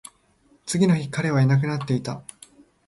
次の日、彼はいなくなっていた